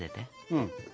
うん。